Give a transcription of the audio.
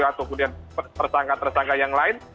atau kemudian tersangka tersangka yang lain